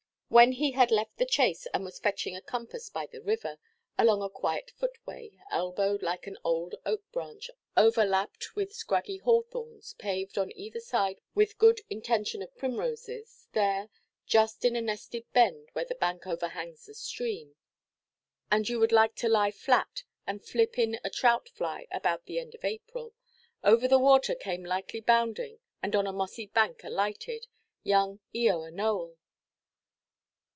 When he had left the chase, and was fetching a compass by the river, along a quiet footway, elbowed like an old oak–branch, overlapped with scraggy hawthorns, paved on either side with good intention of primroses, there, just in a nested bend where the bank overhangs the stream, and you would like to lie flat and flip in a trout fly about the end of April, over the water came lightly bounding, and on a mossy bank alighted, young Eoa Nowell.